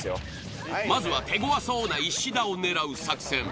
まずは手ごわそうな石田を狙う作戦。